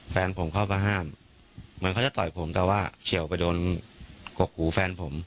แฟนผมเข้ามาห้ามเหมือนเขาจะต่อยผมแต่ว่าเฉียวไปโดนกกหูแฟนผม